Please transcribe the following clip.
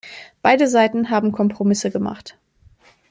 Beide Seiten haben Kompromisse gemacht.